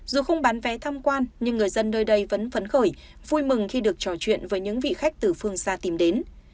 dù không bán vé tham quan nhưng người dân nơi đây vẫn phấn khởi vui mừng khi được trò chuyện với những vị khách từ phương xa tìm đến